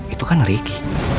itu kan ricky